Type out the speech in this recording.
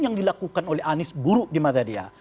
yang dilakukan oleh anies buruk di mata dia